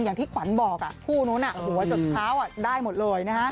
อย่างที่ขวานบอกอ่ะคู่นู้นน่ะหัวจดเท้าอ่ะได้หมดเลยนะคะ